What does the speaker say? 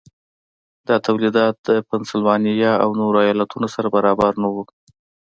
دا تولیدات د پنسلوانیا او نورو ایالتونو سره برابر نه وو.